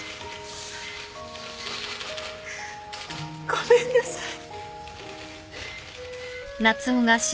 ごめんなさい。